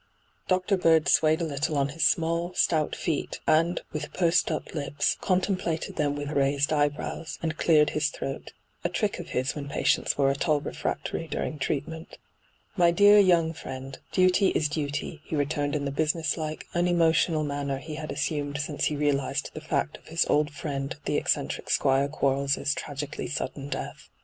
Dr. Bird swayed a little on his small, stout feet, and, with pursed up lips, contem plated them with raised eyebrows, and cleared his throat — a trick of his when patients were at all re&aotory during treatment. hyGoogIc 38 ENTRAPPED ' My dear young friend, duty is duty,' he returned in the business like, unemotional manner he had assumed since he realized the fact of his old friend the eccentric Squire Quarles' tri^ically sudden death.